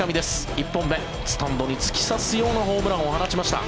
１本目、スタンドに突き刺すようなホームランを打ちました。